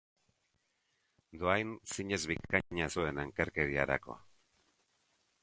Dohain zinez bikaina zuen ankerkeriarako.